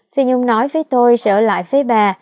phi nhung nói với tôi sẽ ở lại với bà